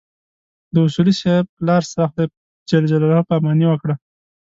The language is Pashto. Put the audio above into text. د اصولي صیب پلار سره خدای ج پاماني وکړه.